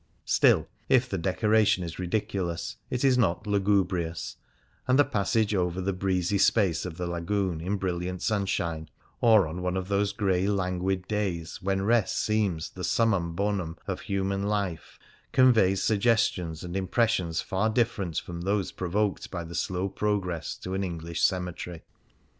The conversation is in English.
Still, if the decoration is ridiculous, it is not lugubrious, and the passage over the breezy space of the Lagoon in brilliant sunshine, or on one of these grey languid days when rest seems the sununum honum of human life, conveys suggestions and impressions far different from those provoked by the slow progress to an English cemetery.